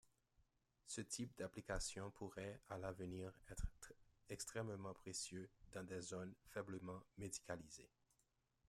Ce type d'application pourrait à l'avenir être extrêmement précieux dans des zones faiblement médicalisées.